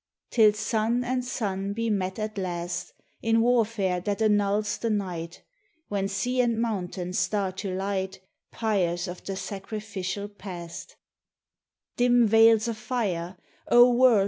Till sun and sun be met at last In warfare that annuls the night, When sea and mountain start to light, Pyres of the sacrificial past, Dim veils of fire, O world!